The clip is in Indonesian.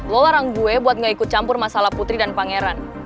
lo larang gue buat gak ikut campur masalah putri dan pangeran